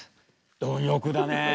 貪欲だね。